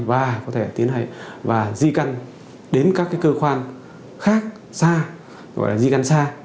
và có thể tiến hành và di căn đến các cơ quan khác xa